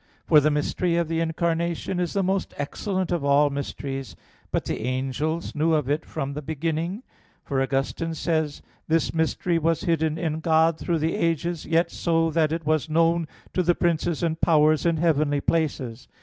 For, the mystery of the Incarnation is the most excellent of all mysteries. But the angels knew of it from the beginning; for Augustine says (Gen. ad lit. v, 19): "This mystery was hidden in God through the ages, yet so that it was known to the princes and powers in heavenly places."